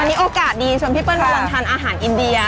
อันนี้โอกาสดีชวนพี่เปิ้ลกำลังทานอาหารอินเดีย